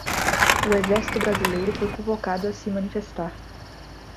O exército brasileiro foi convocado a se manifestar